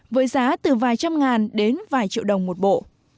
với giá từ vài trăm ngàn đến vài triệu đồng một bộ